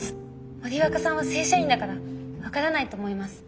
森若さんは正社員だから分からないと思います。